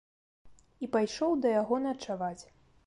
І пайшоў да яго начаваць.